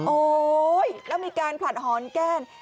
โอ๊ยแล้วมีการผลัดหอนแก้น